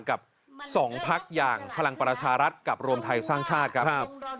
กับ๒พักอย่างพลังประชารัฐกับรวมไทยสร้างชาติครับ